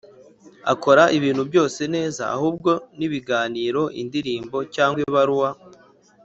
akora ibintu byose neza, ahubwo ni ibiganiro, indirimbo, cyangwa ibaruwa